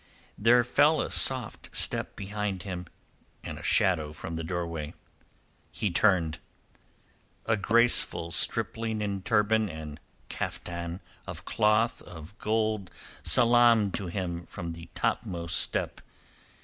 There fell a soft step behind him and a shadow from the doorway. He turned. A graceful stripling in turban and caftan of cloth of gold salaamed to him from the topmost step.